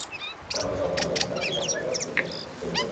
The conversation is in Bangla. যাঁরা মাকড়সা অপছন্দ করেন, তাঁরা পিকক স্পাইডার দেখলে নিশ্চয়ই মুগ্ধ হবেন।